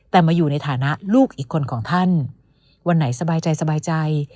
แต่มาอยู่ในฐานะลูกอีกคนของท่านวันไหนสบายใจสบายใจ